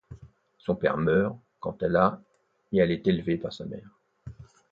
Son père meurt quand elle a et elle est élevée par sa mère.